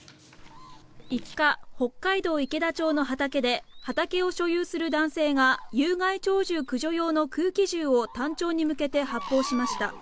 ５日、北海道池田町の畑で畑を所有する男性が有害鳥獣駆除用の空気銃をタンチョウに向けて発砲しました。